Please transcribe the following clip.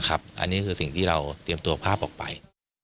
อันนี้คือสิ่งที่เราเตรียมตัวภาพออกไป